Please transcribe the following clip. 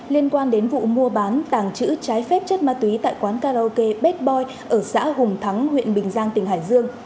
liên quan đến vụ mua bán tàng trữ trái phép chất ma túy tại quán karaoke bếp boi ở xã hùng thắng huyện bình giang tỉnh hải dương